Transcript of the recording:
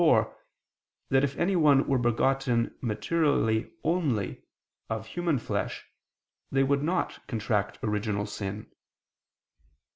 4) that if anyone were begotten materially only, of human flesh, they would not contract original sin.